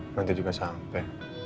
nanti juga sampe